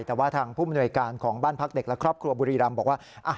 แต่ว่าทางผู้มนวยการของบ้านพักเด็กและครอบครัวบุรีรำบอกว่า